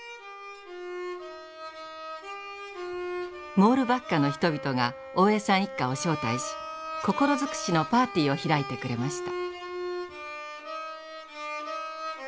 モールバッカの人々が大江さん一家を招待し心尽くしのパーティーを開いてくれました。